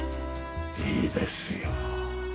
いいですよ。